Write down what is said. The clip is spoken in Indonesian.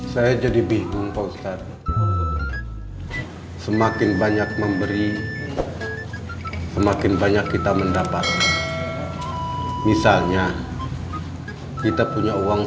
saya jadi bingung pak ustadz semakin banyak memberi semakin banyak kita mendapat misalnya kita punya uang